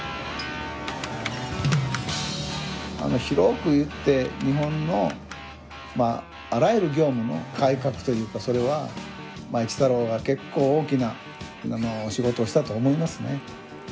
広く言って日本のあらゆる業務の改革というかそれは「一太郎」が結構大きな仕事をしたと思いますね。